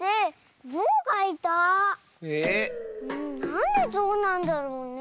なんでぞうなんだろうね？